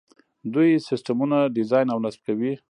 دوی سیسټمونه ډیزاین او نصب کوي.